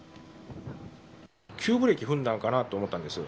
急ブレーキ踏んだんかなって思ったんですよ。